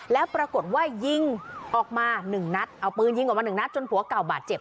แล้วปรากฏว่ายิงออกมา๑นัดเอาปืนยิงออกมา๑นัดจนผัวเก่าบาดเจ็บ